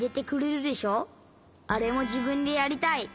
あれもじぶんでやりたい。